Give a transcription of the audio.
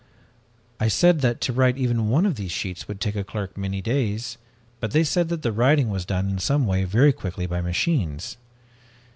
I said that to write even one of these sheets would take a clerk many days, but they said that the writing was done in some way very quickly by machines.